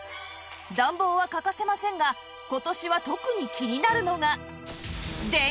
暖房は欠かせませんが今年は特に気になるのが